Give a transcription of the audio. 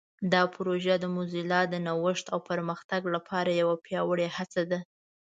دا پروژه د موزیلا د نوښت او پرمختګ لپاره یوه پیاوړې هڅه ده.